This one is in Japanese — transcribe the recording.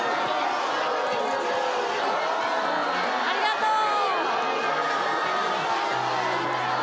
ありがとう！